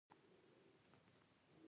توپچي دوه ځلي ډزې وکړې.